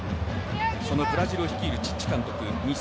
そのブラジルを率いるチッチ監督